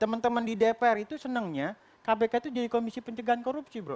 teman teman di dpr itu senangnya kpk itu jadi komisi pencegahan korupsi bro